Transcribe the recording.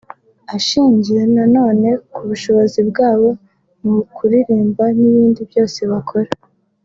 Ashingiye na none kubushobozi bwabo mu kuririmba n’ibindi byose bakora